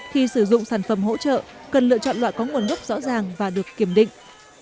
khi sử dụng sản phẩm hỗ trợ cần lựa chọn loại có nguồn gốc rõ ràng và được kiểm định